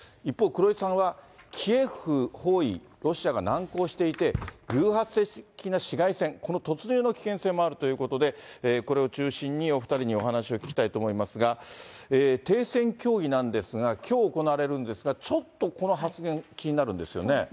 一方、黒井さんは、キエフ包囲、ロシアが難航していて、偶発的な市街戦、この突入の危険性もあるということで、これを中心にお２人にお話を聞きたいと思いますが、停戦協議なんですが、きょう行われるんですが、ちょっとこの発言、そうですね。